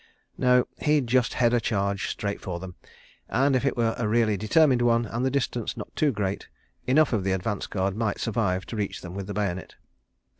... No. ... He'd just head a charge straight for them, and if it were a really determined one and the distance not too great, enough of the advance guard might survive to reach them with the bayonet.